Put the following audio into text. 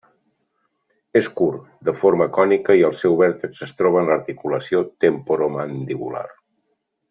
És curt, de forma cònica i el seu vèrtex es troba en l'articulació temporomandibular.